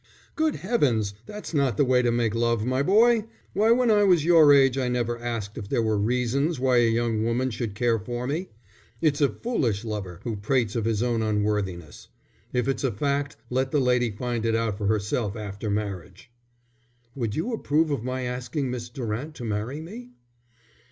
"Good heavens, that's not the way to make love, my boy. Why, when I was your age I never asked if there were reasons why a young woman should care for me. It's a foolish lover who prates of his own unworthiness. If it's a fact let the lady find it out for herself after marriage." "Would you approve of my asking Miss Durant to marry me?"